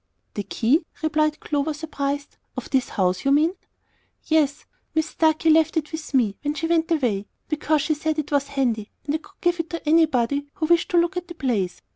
"The key?" replied Clover, surprised; "of this house, do you mean?" "Yes. Mis Starkey left it with me when she went away, because, she said, it was handy, and I could give it to anybody who wished to look at the place.